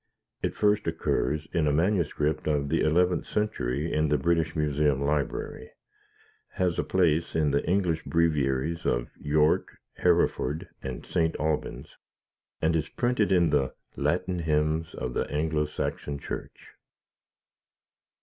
It first occurs in a MS. of the eleventh century in the British Museum Library, has a place in the English Breviaries of York, Hereford, and St. Albans, and is printed in the "Latin Hymns of the Anglo Saxon Church."